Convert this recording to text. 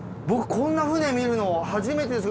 こんな船見るの初めてです。